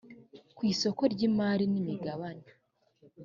ku isoko ry imari n imigabane